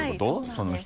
その人。